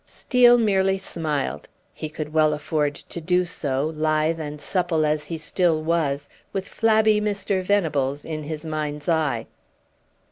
Steel merely smiled; he could well afford to do so, lithe and supple as he still was, with flabby Mr. Venables in his mind's eye.